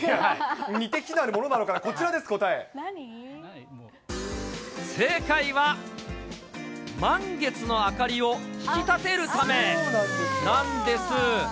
似て非なるものなのかな、正解は、満月の明かりを引き立てるためなんです。